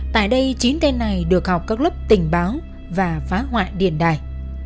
tại đây chín tên này được học các lớp tình báo và phá hoại điền đài